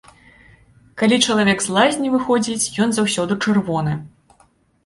Калі чалавек з лазні выходзіць, ён заўсёды чырвоны.